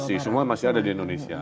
masih semua masih ada di indonesia